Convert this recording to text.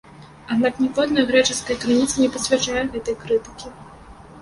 Аднак ніводная грэчаская крыніца не пацвярджае гэтай крытыкі.